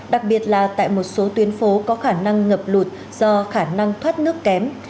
đặc biệt là tại một số tuyến phố có khả năng ngập lụt do khả năng thoát nước kém